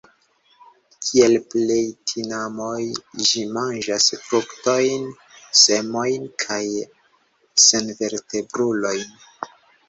Kiel plej tinamoj ĝi manĝas fruktojn, semojn kaj senvertebrulojn.